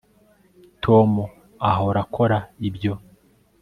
tom ahora akora ibyo